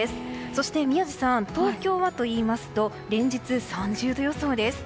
そして宮司さん、東京はというと連日３０度予想です。